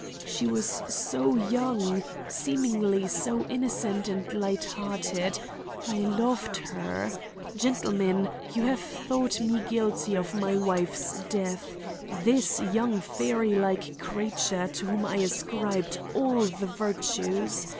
She was so young, seemingly so innocent and light hearted. I loved her! Gentlemen, you have thought me guilty of my wife's death,—this young fairy like creature to whom I ascribed all the virtues!